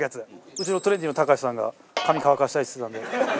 うちのトレンディのたかしさんが髪乾かしたいっつってたんで。